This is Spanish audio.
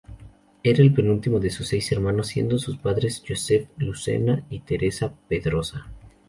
Era el penúltimo de seis hermanos, siendo sus padres Josef Lucena y Teresa Pedrosa.